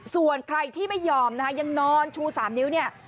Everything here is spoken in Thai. ส่วนใครที่ไม่ยอมนะคะยังนอนชู๓นิ้วเนี่ย